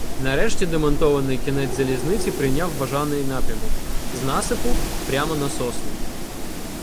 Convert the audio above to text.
Нарешті демонтований кінець залізниці прийняв бажаний напрямок: з насипу — прямо на сосни.